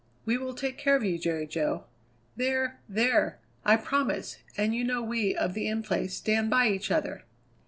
"We will take care of you, Jerry Jo. There! there! I promise; and you know we of the In Place stand by each other."